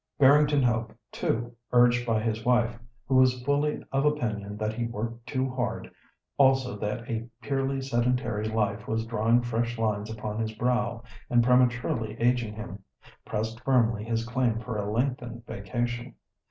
Barrington Hope too, urged by his wife, who was fully of opinion that he worked too hard, also that a purely sedentary life was drawing fresh lines upon his brow, and prematurely ageing him—pressed firmly his claim for a lengthened vacation.